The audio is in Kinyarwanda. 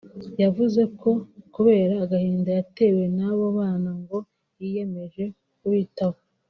yavuze ko kubera agahinda yatewe n’abo bana ngo yiyemeje kubitaho